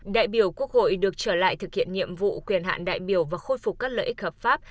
đại biểu quốc hội được trở lại thực hiện nhiệm vụ quyền hạn đại biểu và khôi phục các lợi ích hợp pháp